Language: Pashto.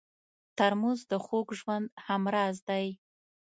ترموز د خوږ ژوند همراز دی.